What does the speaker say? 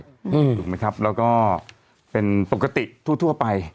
ถูกไหมครับแล้วก็เป็นปกติทั่วไป